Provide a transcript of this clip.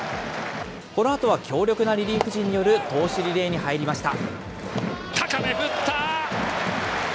このあとは強力なリリーフ陣による投手リレーに入りました。